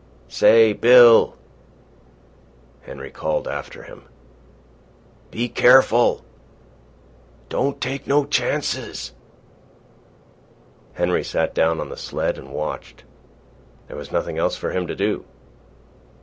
"Say, Bill!" Henry called after him. "Be careful! Don't take no chances!" Henry sat down on the sled and watched. There was nothing else for him to do.